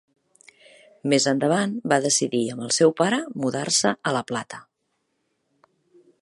Més endavant va decidir, amb el seu pare, mudar-se a la Plata.